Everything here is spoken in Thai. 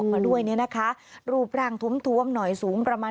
เหมาะมาด้วยเนี่ยนะคะรูปร่างถมถวมหน่อยสูงความประมาณ